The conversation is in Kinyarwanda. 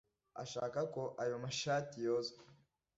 Ashaka ko ayo mashati yozwa